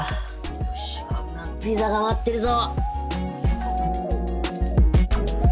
よっしゃピザが待ってるぞ。